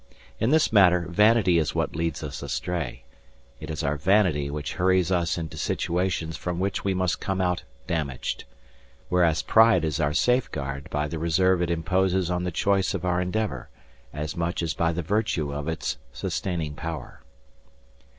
In this matter vanity is what leads us astray. It is our vanity which hurries us into situations from which we must come out damaged. Whereas pride is our safeguard by the reserve it imposes on the choice of our endeavour, as much as by the virtue of its sustaining power.